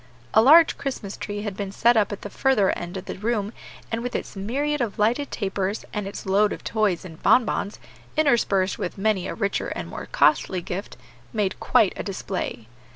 A large Christmas tree had been set up at the further end of the room, and, with its myriad of lighted tapers, and its load of toys and bonbons, interspersed with many a richer and more costly gift, made quite a display.